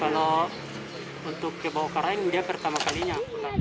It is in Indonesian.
kalau untuk ke bawah karang dia pertama kalinya